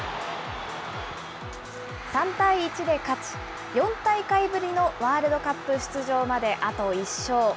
３対１で勝ち、４大会ぶりのワールドカップ出場まであと１勝。